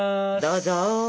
どうぞ。